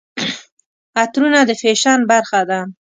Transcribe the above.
عطرونه د فیشن برخه ده.